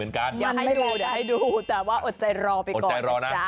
อุ้ยเอ็กซ์คลิสต์ด้วย